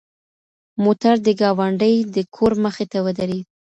موټر د ګاونډي د کور مخې ته ودرېد.